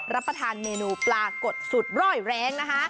รับประทานเมนูปลากดสุดร่อยแรงนะคะ